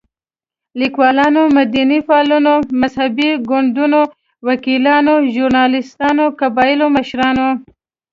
ليکوالانو، مدني فعالانو، مذهبي ګوندونو، وکيلانو، ژورناليستانو، قبايلي مشرانو